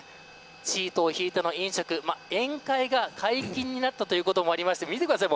シートを敷いての飲食宴会が解禁になったということもあって見てください。